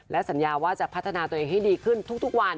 สัญญาว่าจะพัฒนาตัวเองให้ดีขึ้นทุกวัน